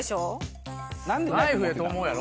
ナイフやと思うやろ。